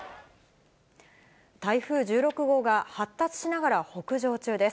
台風１６号が発達しながら北上中です。